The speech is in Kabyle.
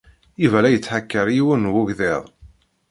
Yuba la yettḥakaṛ yiwen n wegḍiḍ.